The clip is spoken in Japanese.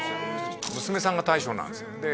娘さんが大将なんですよで